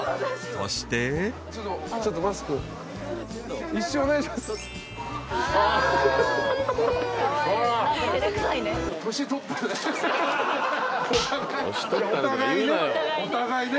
［そして］お互いね。